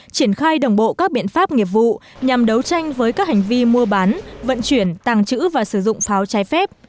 triển khai đồng bộ các biện pháp nghiệp vụ nhằm đấu tranh với các hành vi mua bán vận chuyển tàng trữ và sử dụng pháo trái phép